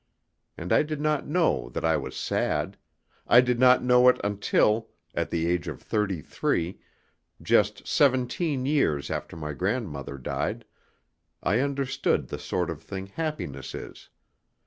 And I did not know that I was sad I did not know it until, at the age of thirty three, just seventeen years after my grandmother died, I understood the sort of thing happiness is.